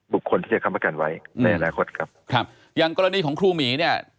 บุคคลที่จะค้ำประกันไว้ในอนาคตครับครับอย่างกรณีของครูหมีเนี่ย